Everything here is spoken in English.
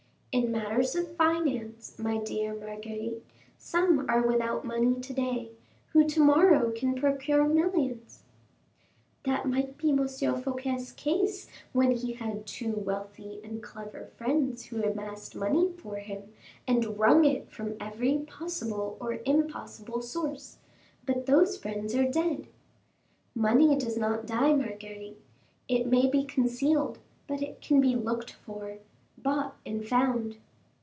"In matters of finance, my dear Marguerite, some are without money to day, who to morrow can procure millions." "That might be M. Fouquet's case when he had two wealthy and clever friends who amassed money for him, and wrung it from every possible or impossible source; but those friends are dead." "Money does not die, Marguerite; it may be concealed, but it can be looked for, bought and found."